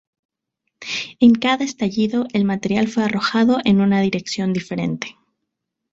En cada estallido, el material fue arrojado en una dirección diferente.